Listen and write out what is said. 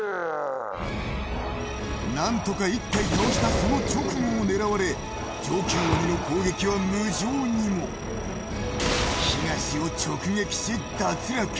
何とか１体倒したその直後を狙われ上級鬼の攻撃は無情にも東を直撃し、脱落。